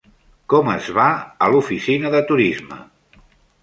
Com es va a l'oficina de turisme?